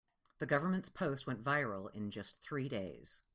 The government's post went viral in just three days.